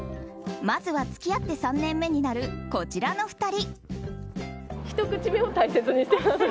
まずは付き合って３年目になるこちらの２人。